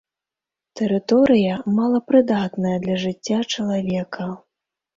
Тэрыторыя малапрыдатная для жыцця чалавека.